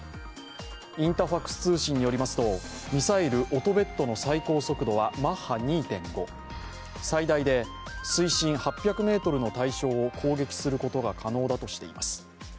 インタファクス通信によりますと、ミサイル、オトベットの最高速度はマッハ２．５、最大で水深８００ｍの対象を攻撃することが可能だとしています。